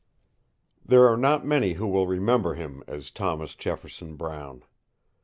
Munsey Co I There are not many who will remember him as Thomas Jefferson Brown.